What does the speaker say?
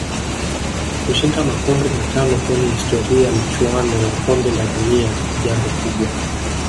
Kushinda makombe matano kwenye historia ya michuano ya kombe la dunia ni jambo kubwa